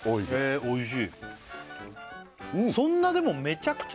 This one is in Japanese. おいしい